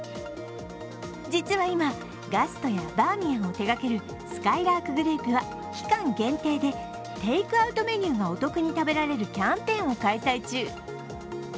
実は今、ガストやバーミヤンを手がけるすかいらーくグループは期間限定でテイクアウトメニューがお得に食べられるキャンペーンを開催中。